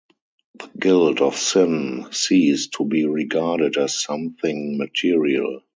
The guilt of sin ceased to be regarded as something material.